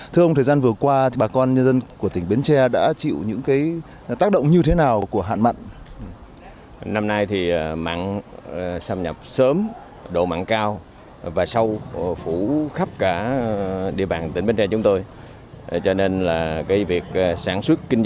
thưa ông thời gian vừa qua bà con nhân dân của tỉnh bến tre đã chịu những tác động như thế nào của hạn mặn